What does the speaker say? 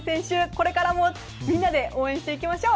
これからもみんなで応援していきましょう。